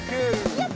やった！